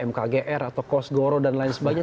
mkgr atau kos goro dan lain sebagainya